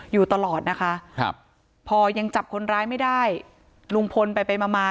อยู่ตลอดนะคะครับพอยังจับคนร้ายไม่ได้ลุงพลไปไปมามา